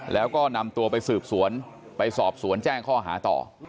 แล้วก็นำตัวไปสืบสวนไปสอบสวนแจ้งข้อหาต่อ